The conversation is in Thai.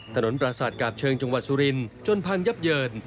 ประสาทกาบเชิงจังหวัดสุรินทร์จนพังยับเยิน